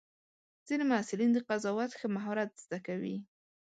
ځینې محصلین د قضاوت ښه مهارت زده کوي.